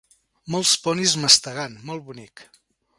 Molts ponis mastegant; molt bonic!